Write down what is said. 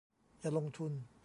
อย่าลงทุน